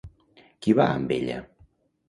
Qui va amb ella?